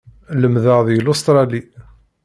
Lemdeɣ deg Lustṛali.